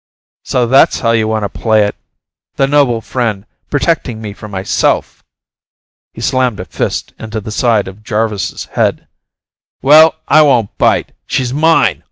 "So that's how you want to play it? The noble friend, protecting me from myself!" He slammed a fist into the side of Jarvis' head. "Well, I won't bite! She's mine!